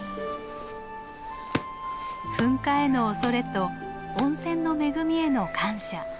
噴火への恐れと温泉の恵みへの感謝。